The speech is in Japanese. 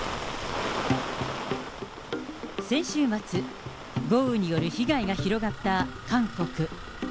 先週末、豪雨による被害が広がった韓国。